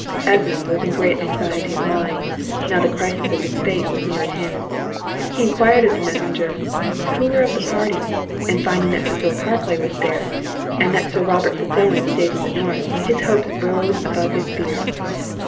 Edmund was in great anxiety of mind, now the crisis of his fate was near at hand; He enquired of the messenger, who were of the party? and finding that Sir Philip Harclay was there, and that Sir Robert Fitz Owen stayed in the North, his hopes rose above his fears.